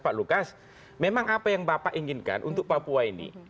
pak lukas memang apa yang bapak inginkan untuk papua ini